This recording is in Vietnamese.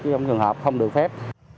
trong trường hợp không được phép